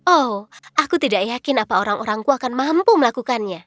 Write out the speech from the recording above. oh aku tidak yakin apa orang orangku akan mampu melakukannya